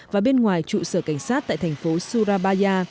và bên ngoài trụ sở cảnh sát tại thành phố surabaya